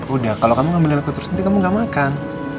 udah kalau kamu ngambilin aku terus nanti kamu nggak makan